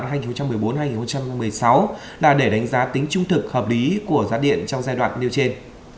giai đoạn hai nghìn một mươi bốn hai nghìn một mươi sáu là để đánh giá tính trung thực hợp lý của giá điện trong giai đoạn nêu trên